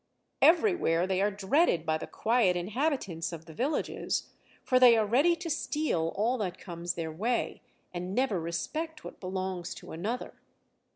Everywhere they are dreaded by the quiet inhabitants of the villages, for they are ready to steal all that comes their way, and never respect what belongs to another.